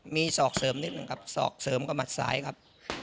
มีศอกเสริมนิดนึงครับศอกเสริมกับหมัดซ้ายครับ